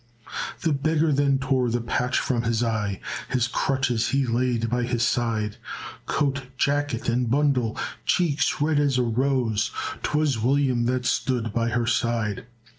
The beggar then tore the patch from his eye, His crutches he laid by his side, Coat, jacket and bundle; cheeks red as a rose, 'Twas William that stood by her side.